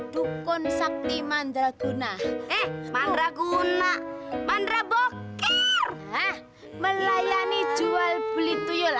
dukon sakliman draguna eh mandraguna mandra boker melayani jual beli tuyul